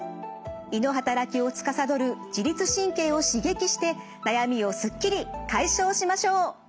胃の働きをつかさどる自律神経を刺激して悩みをすっきり解消しましょう！